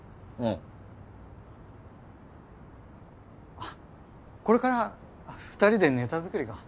あっこれから２人でネタ作りか？